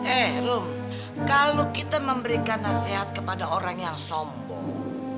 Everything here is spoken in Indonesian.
eh rum kalau kita memberikan nasihat kepada orang yang sombong